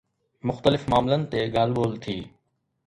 مختلف معاملن تي ڳالهه ٻولهه ٿي.